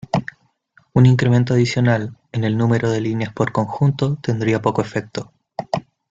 Un incremento adicional, en el número de líneas por conjunto tendría poco efecto.